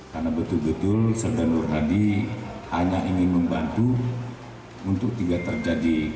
karena betul betul sedang nur hadi hanya ingin membantu untuk tidak terjadi kemacetan